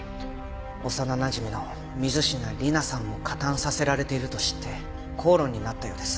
幼なじみの水品理奈さんも加担させられていると知って口論になったようです。